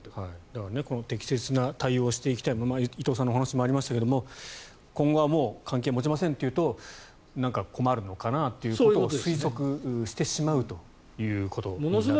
だから、適切な対応をしていきたいというのも伊藤さんのお話にもありましたが今後は関係を持ちませんと言うと何か困るのかなということを推測してしまうということになりますね。